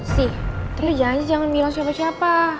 sih tapi janji jangan bilang siapa siapa